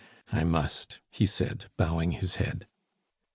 "I must," he said, bowing his head.